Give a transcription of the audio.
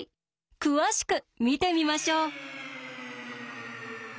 詳しく見てみましょう！